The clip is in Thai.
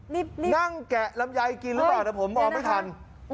นั่งแกะลำไยกินหรือเปล่าแต่ผมมองไม่ทัน